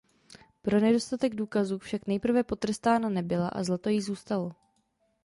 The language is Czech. Pro nedostatek důkazů však nejprve potrestána nebyla a zlato ji zůstalo.